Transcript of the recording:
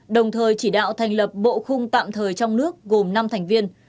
đồng thời chỉ đạo thành lập bộ khung tạm thời trong nước gồm năm thành viên